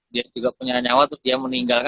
dia juga punya nyawa terus dia meninggal